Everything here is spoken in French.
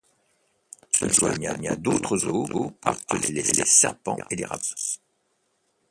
Ils se joignent à d’autres oiseaux pour harceler les serpents et les rapaces.